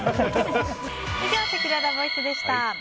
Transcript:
以上、せきららボイスでした。